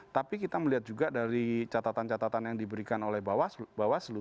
tapi kita melihat juga dari catatan catatan yang diberikan oleh bawaslu